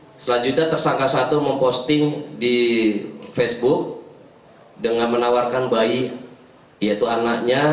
nah selanjutnya tersangka satu memposting di facebook dengan menawarkan bayi yaitu anaknya